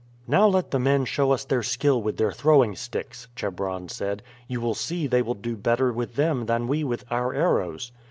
"Now let the men show us their skill with their throwing sticks," Chebron said. "You will see they will do better with them than we with our arrows."